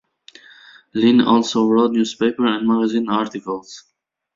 Linn also wrote newspaper and magazine articles.